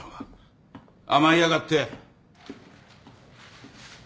甘えやがって！